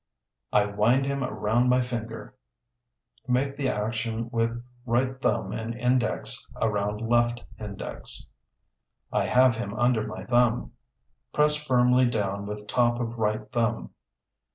I wind him around my finger (Make the action with right thumb and index around left index). I have him under my thumb (Press firmly down with top of right thumb).